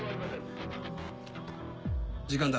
時間だ。